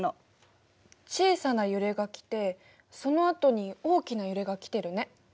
小さな揺れが来てそのあとに大きな揺れが来てるね。